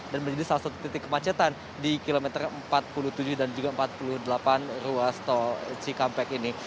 dan menjadi salah satu titik kemacetan di kilometer empat puluh tujuh dan juga empat puluh delapan ruas tol cikampek ini